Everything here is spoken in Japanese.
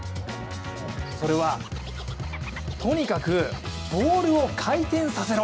それは、とにかくボールを回転させろ。